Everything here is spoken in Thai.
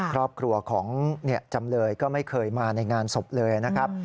ครอบครัวของจำเลยก็ไม่เคยมาในงานศพเลยนะครับ